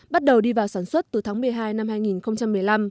bắt đầu đi vào sản xuất từ tháng một mươi hai năm hai nghìn một mươi năm